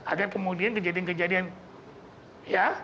agar kemudian kejadian kejadian ya